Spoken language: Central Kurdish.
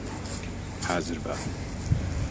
حازر بە!